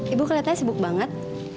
ibu keliatannya sibuk banget